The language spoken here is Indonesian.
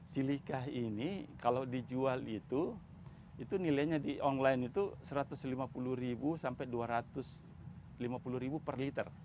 silika ini kalau dijual itu itu nilainya di online itu rp satu ratus lima puluh sampai rp dua ratus lima puluh per liter